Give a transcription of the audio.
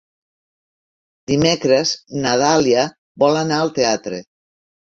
Dimecres na Dàlia vol anar al teatre.